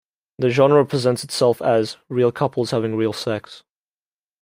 The genre presents itself as "real couples having real sex".